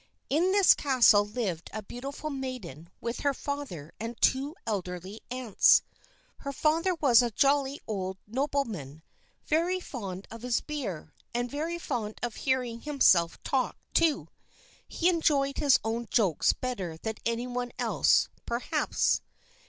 In this castle lived a beautiful maiden with her father and two elderly aunts. Her father was a jolly old nobleman, very fond of his beer, and very fond of hearing himself talk, too. He enjoyed his own jokes better than anyone else, perhaps.